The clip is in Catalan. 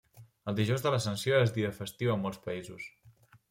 El dijous de l'Ascensió és dia festiu a molts països.